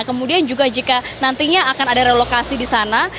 kemudian juga jika nantinya akan ada relokasi di sana